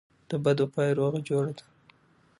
دبدو پای روغه جوړه ده.